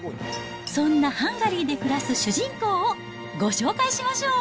そんなハンガリーで暮らす主人公をご紹介しましょう。